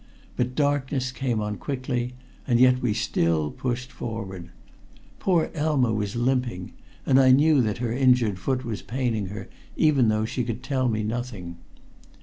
But darkness came on quickly, and yet we still pushed forward. Poor Elma was limping, and I knew that her injured foot was paining her, even though she could tell me nothing.